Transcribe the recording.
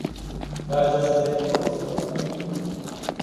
برجستهترین نکات سخنرانی او